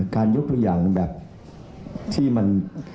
ยกตัวอย่างแบบที่มัน